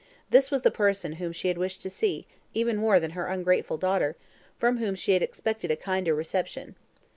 This was the person whom she wished to see, even more than her ungrateful daughter, from whom she had expected a kinder reception.